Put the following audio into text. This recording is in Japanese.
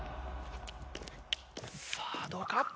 さあどうか？